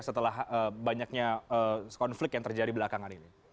setelah banyaknya konflik yang terjadi belakangan ini